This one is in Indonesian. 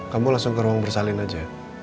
kamu langsung ke ruang bersalin aja